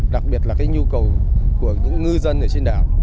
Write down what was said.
đặc biệt là cái nhu cầu của những ngư dân ở trên đảo